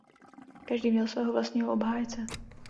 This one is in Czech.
Každý měl svého vlastního obhájce.